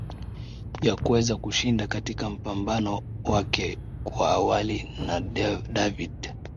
ya kuweza kushinda katika mpambano wake kuwa awali na david